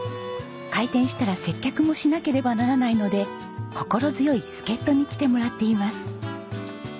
開店したら接客もしなければならないので心強い助っ人に来てもらっています。